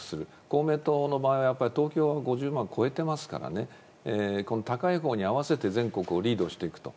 公明党の場合は東京の５０万円を超えていますから高いほうに合わせて全国をリードしていくと。